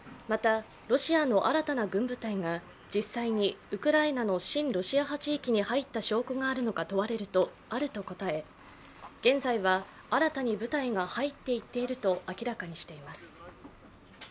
またロシアの新たな軍部隊が実際にウクライナの親ロシア派地域に入った証拠があるのか問われるとあると答え、現在は新たに部隊が入っていっていると明らかにしています。